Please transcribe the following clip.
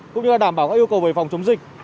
cũng như đảm bảo các yêu cầu về phòng chống dịch